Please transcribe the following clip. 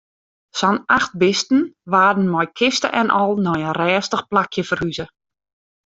Sa'n acht bisten waarden mei kiste en al nei in rêstich plakje ferhuze.